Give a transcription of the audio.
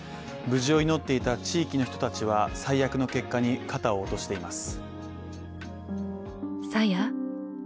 無事を祈っていた地域の人たちは最悪の結果に肩を落としています。